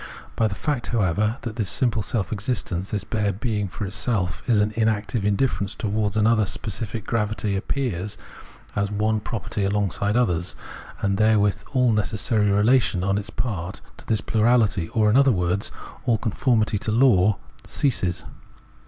By the fact, however, that this simple self existence, this bare being for itself, is an inactive indifference towards an other, specific gravity appears as one property along side others ; and therewith all necessary relation on its part to this plurality, or, in other words, all conformity to law, ceases.